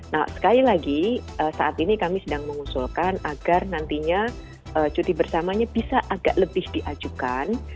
nah sekali lagi saat ini kami sedang mengusulkan agar nantinya cuti bersamanya bisa agak lebih diajukan